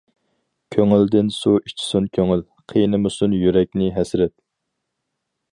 كۆڭۈلدىن سۇ ئىچسۇن كۆڭۈل، قىينىمىسۇن يۈرەكنى ھەسرەت.